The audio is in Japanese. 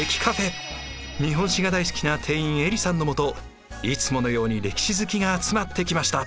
日本史が大好きな店員えりさんのもといつものように歴史好きが集まってきました。